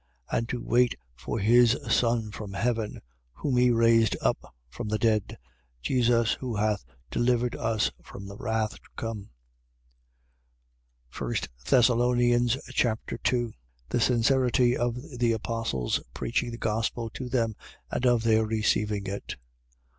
And to wait for his Son from heaven (whom he raised up from the dead), Jesus, who hath delivered us from the wrath to come. 1 Thessalonians Chapter 2 The sincerity of the apostle's preaching the gospel to them and of their receiving it.